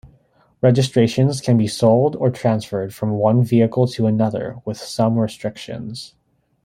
Registrations can be sold, or transferred from one vehicle to another, with some restrictions.